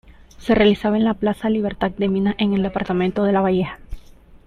Se realizaba en la Plaza Libertad de Minas en el departamento de Lavalleja.